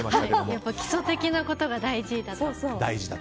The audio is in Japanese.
やっぱり基礎的なことが大事だと。